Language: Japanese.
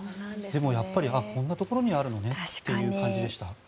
でも、やっぱりこんなところにあるのねって感じでした。